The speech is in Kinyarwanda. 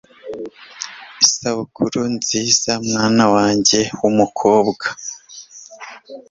isabukuru nziza mwana wanjye wumukobwa .